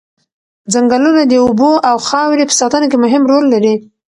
ځنګلونه د اوبو او خاورې په ساتنه کې مهم رول لري.